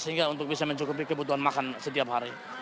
sehingga untuk bisa mencukupi kebutuhan makan setiap hari